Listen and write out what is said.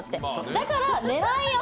だから。